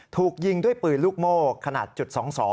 ถูกยิงด้วยปืนลูกโม่ขนาดจุด๒๒